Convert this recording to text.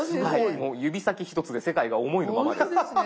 もう指先ひとつで世界が思いのままです。